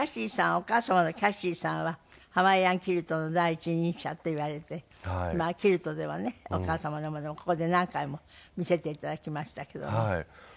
お母様のキャシーさんはハワイアンキルトの第一人者っていわれてキルトではねお母様のものをここで何回も見せて頂きましたけども。